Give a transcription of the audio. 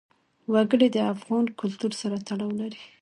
وګړي د افغان کلتور سره تړاو لري.